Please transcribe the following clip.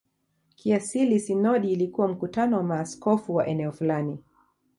Kiasili sinodi ilikuwa mkutano wa maaskofu wa eneo fulani.